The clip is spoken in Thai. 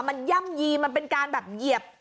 มันย่ำยีมันเป็นการแบบเหยียบ